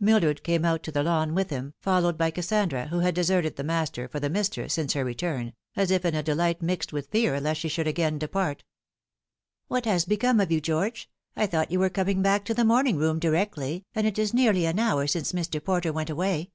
Mildred came out to the lawn with him, followed by Kas sandra, who had deserted the master for the mistress since her return, as if in a delight mixed with fear lest she should again depart. " What has become of you, George ? I thought you were coming back to the morning room directly, and it is nearly an hour since Mr. Porter went away."